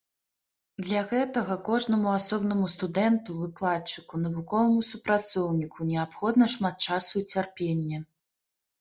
Для гэтага кожнаму асобнаму студэнту, выкладчыку, навуковаму супрацоўніку неабходна шмат часу і цярпення.